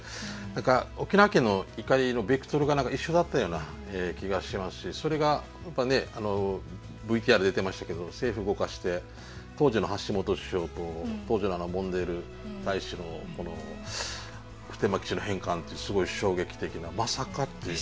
何か沖縄県の怒りのベクトルが一緒だったような気がしますしそれがＶＴＲ出てましたけど政府動かして当時の橋本首相と当時のモンデール大使の普天間基地の返還っていうすごい衝撃的なまさかっていう。